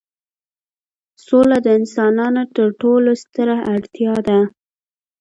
سوله د انسانانو تر ټولو ستره اړتیا ده.